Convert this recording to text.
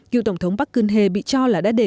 cựu tổng thống park geun hye bị cho là đã để